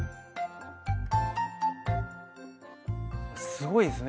すごいですね